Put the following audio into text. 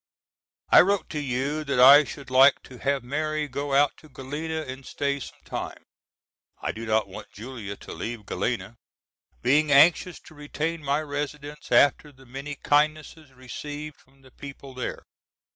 I wrote to you that I should like to have Mary go out to Galena and stay some time. I do not want Julia to leave Galena, being anxious to retain my residence after the many kindnesses received from the people there.